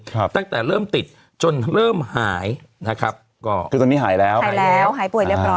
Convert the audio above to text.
ตั้งแต่เริ่มติดจนเริ่มหายนะครับก็คือตอนนี้หายแล้วหายแล้วหายป่วยเรียบร้อย